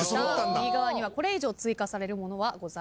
右側にはこれ以上追加されるものはございません。